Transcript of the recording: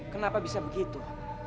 kenapa bisa begitu